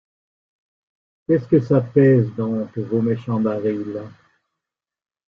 Qu’est-ce que ça pèse donc vos méchants barils?